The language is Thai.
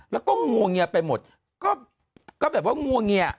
แล้วก็งวงเงียไปหมดก็แบบว่างวงเงีย